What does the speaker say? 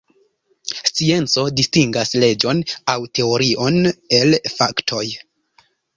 Scienco distingas leĝon aŭ teorion el faktoj.